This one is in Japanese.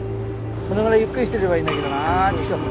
このままゆっくりしてればいいんだけどなあちきしょう。